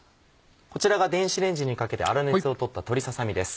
こちらが電子レンジにかけて粗熱を取った鶏ささ身です。